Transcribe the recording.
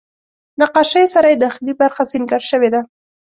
نقاشیو سره یې داخلي برخه سینګار شوې ده.